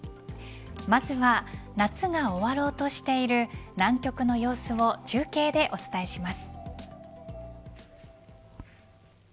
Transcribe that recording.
まずは夏が終わろうとしている南極の様子を中継でお伝えします。